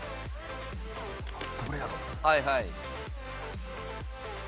はいはい。